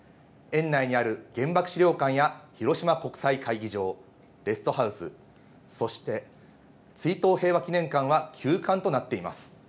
園内にある原爆資料館や広島国際会議場、レストハウス、そして追悼平和祈念館が休館となっています。